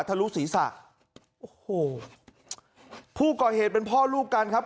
ทะลุศีรษะโอ้โหผู้ก่อเหตุเป็นพ่อลูกกันครับ